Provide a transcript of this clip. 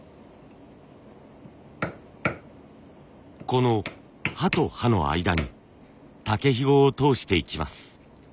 この刃と刃の間に竹ひごを通していきます。